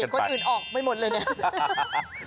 ยืนหนึ่งสิคนอื่นออกไม่หมดเลยเนี่ย